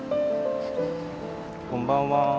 こんばんは。